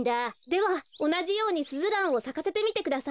ではおなじようにスズランをさかせてみてください。